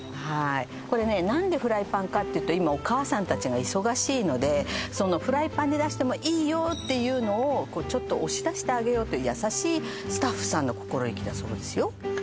これね何でフライパンかっていうと今お母さんたちが忙しいのでフライパンで出してもいいよっていうのをちょっと押し出してあげようという優しいスタッフさんの心意気だそうですよ